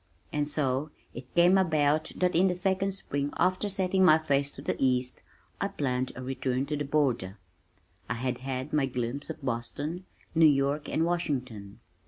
And so it came about that in the second spring after setting my face to the east I planned a return to the Border. I had had my glimpse of Boston, New York and Washington.